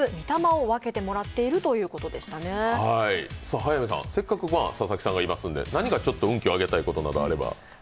早見さん、せっかく佐々木さんがいますので何か運気を上げたいことがあれば。